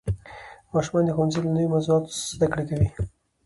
ماشومان د ښوونځي له نوې موضوعاتو زده کړه کوي